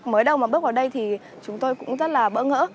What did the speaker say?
mới đầu mà bước vào đây thì chúng tôi cũng rất là bỡ ngỡ